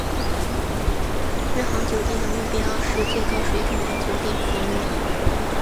日航酒店的目标是最高水准的酒店服务。